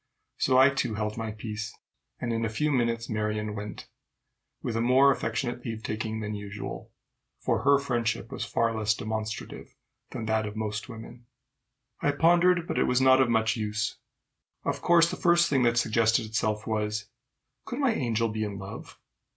So I, too, held my peace, and in a few minutes Marion went, with a more affectionate leave taking than usual, for her friendship was far less demonstrative than that of most women. I pondered, but it was not of much use. Of course the first thing that suggested itself was, Could my angel be in love?